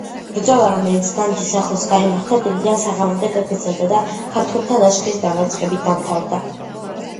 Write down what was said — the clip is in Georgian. ბრძოლა, რომელიც განჯის ახლოს გაიმართა, დილიდან საღამომდე გაგრძელდა და ქართველთა ლაშქრის დამარცხებით დამთავრდა.